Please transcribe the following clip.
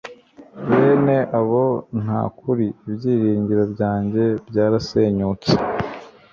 bene abo, nta kuri, ibyiringiro byanjye byarasenyutse